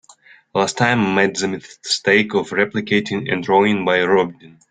Last time, I made the mistake of replicating a drawing by Rodin.